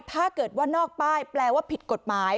ถ้าเกิดว่านอกป้าย